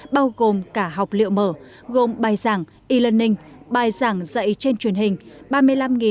bao gồm cả học liệu mở gồm bài giảng e learning bài giảng dạy trên truyền hình